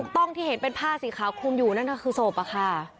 ต้องที่เห็นเป็นผ้าสีขาวคุมอยู่นั่นก็คือศพอะค่ะ